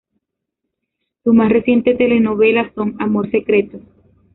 Sus más recientes telenovelas son "Amor Secreto".